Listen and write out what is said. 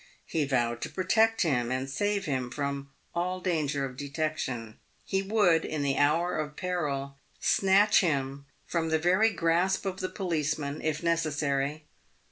He vowed to protect him, and save him from all danger of detection. He would in the hour of peril snatch him from the very grasp of the policeman, if necessary.